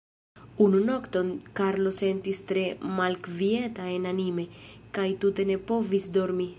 Unu nokton Karlo sentis tre malkvieta enanime, kaj tute ne povis dormi.